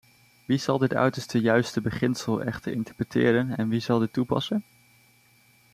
Wie zal dit uiterst juiste beginsel echter interpreteren en wie zal dit toepassen?